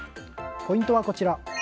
ポイントはこちら。